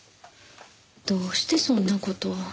どうしてそんな事を。